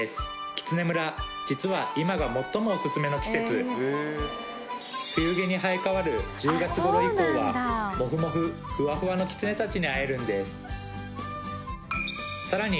キツネ村実は今が最もオススメの季節冬毛に生え替わる１０月頃以降はモフモフフワフワのキツネたちに会えるんですさらに